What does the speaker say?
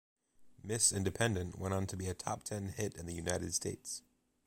"Miss Independent" went on to be a top ten hit in the United States.